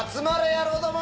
野郎ども。